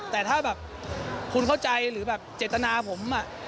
แต่ถ้าแบบคุณเข้าใจหรือแบบเจตนาผม